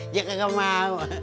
ya kagak mau